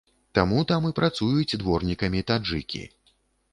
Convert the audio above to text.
Таму там і працуюць дворнікамі таджыкі.